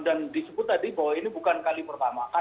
dan disebut tadi bahwa ini bukan kali pertama